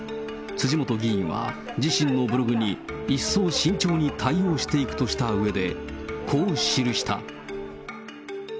辻元議員は自身のブログに、一層慎重に対応していくとしたうえで、こう記した。